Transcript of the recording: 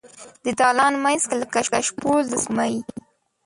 د دالان مینځ کې لکه شپول د سپوږمۍ